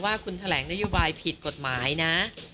ว่าคุณแถลงนโยบายผิดกฎหมายนะ